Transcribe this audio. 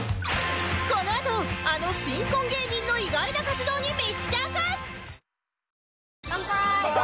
このあとあの新婚芸人の意外な活動に密着！